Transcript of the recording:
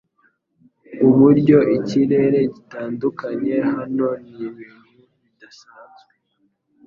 uburyo ikirere gitandukanye hano nibintu bidasanzwe